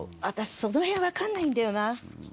私その辺わからないんだよな